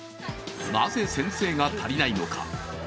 なぜ先生が足りないのか。